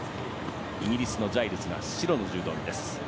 イギリスのジャイルズが白の柔道着です。